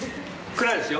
暗いですよ。